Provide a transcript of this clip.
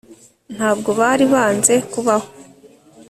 ntabwo bari banze kubaho